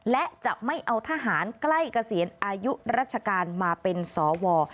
และจะไม่เอาทหารใกล้เกษียณอายุราชการมาเป็นสว